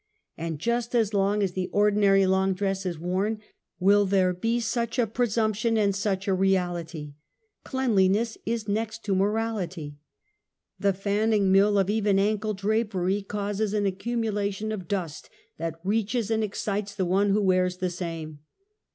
And just as long as the ordinary long dress is worn, will there be such a presumption and such a reality. Cleanliness is next to morality. The fanning mill of even ankle drapery, causes an accumulation of dust that reaches and excites the one who wears the same.